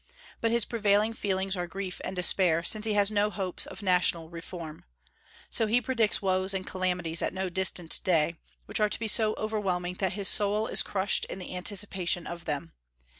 But his prevailing feelings are grief and despair, since he has no hopes of national reform. So he predicts woes and calamities at no distant day, which are to be so overwhelming that his soul is crushed in the anticipation of them.